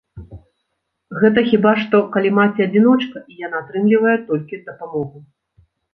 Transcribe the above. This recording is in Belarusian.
Гэта хіба што, калі маці-адзіночка, і яна атрымлівае толькі дапамогу.